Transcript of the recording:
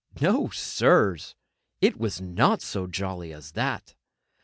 No sirs, it was not so jolly as all that!